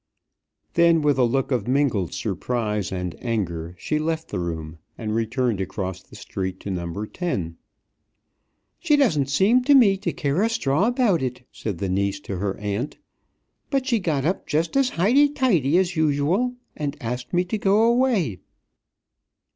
Then with a look of mingled surprise and anger she left the room, and returned across the street to No. 10. "She doesn't seem to me to care a straw about it," said the niece to her aunt; "but she got up just as highty tighty as usual and asked me to go away."